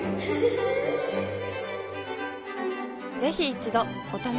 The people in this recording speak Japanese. ぜひ一度お試しを。